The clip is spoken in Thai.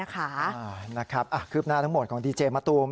คืบหน้าทั้งหมดของดีเจมัตตูม